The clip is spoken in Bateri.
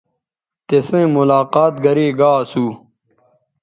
تِسئیں ملاقات گرے گا اسو